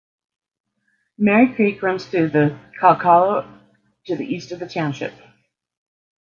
Merri Creek runs through Kalkallo to the east of the township.